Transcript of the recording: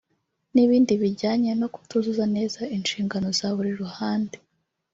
n’ibindi bijyanye no kutuzuza neza inshingano za buri ruhande